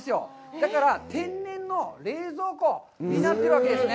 だから、天然の冷蔵庫になってるわけですね。